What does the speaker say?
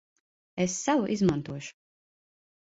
Es savu izmantošu.